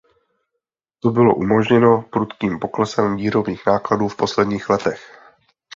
To bylo umožněno prudkým poklesem výrobních nákladů v posledních letech.